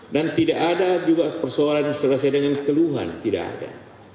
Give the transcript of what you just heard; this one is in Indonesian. dan tidak ada juga persoalan selesai dengan keluhan tidak ada